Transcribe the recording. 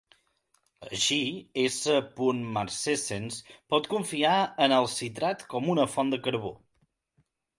Així, "S. marcescens" pot confiar en el citrat com una font de carbó.